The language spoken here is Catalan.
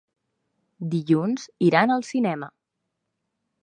Dilluns iran al cinema.